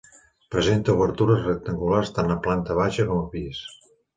Presenta obertures rectangulars tant a planta baixa com a pis.